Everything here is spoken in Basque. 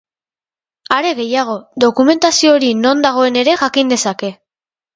Are gehiago, dokumentazio hori non dagoen ere jakin dezake.